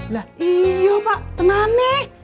lah iya pak tenang nih